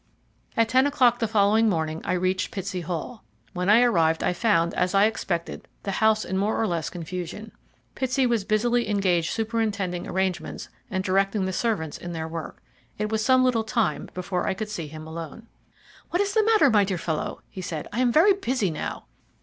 At ten o'clock the following morning I reached Pitsey Hall. When I arrived I found, as I expected, the house in more or less confusion. Pitsey was busily engaged superintending arrangements and directing the servants in their work. It was some little time before I could see him alone. "What is the matter, my dear fellow?" he said. "I am very busy now."